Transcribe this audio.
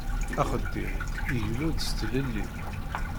Axeddim igellu-d s tlelli.